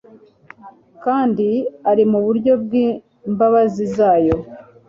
Kandi ari mu buryo bw'imbabazi zayo.